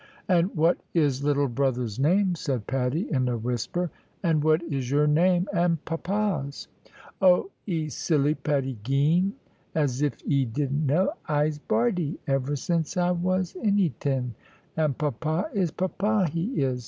"And what is little brother's name?" said Patty, in a whisper; "and what is your name and papa's?" "Oh, 'e silly Patty Geen! As if 'e didn't know I'se Bardie, ever since I was anytin. And papa, is papa, he is.